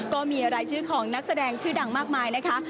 ก็มีรายชื่อของนักแสดงชื่อดังมากมายนะคะ